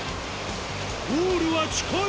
ゴールは近い！